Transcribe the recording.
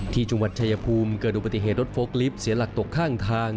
ที่จังหวัดชายภูมิเกิดดูปฏิเหตุรถโฟล์กลิฟต์เสียหลักตกข้างทาง